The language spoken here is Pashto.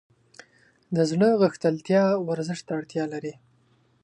د زړه غښتلتیا ورزش ته اړتیا لري.